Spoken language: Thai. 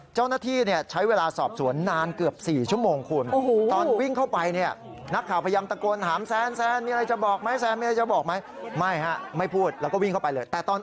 เจ้าหน้าที่ใช้เวลาสอบสวนนานเกือบ๔ชั่วโมงคุณ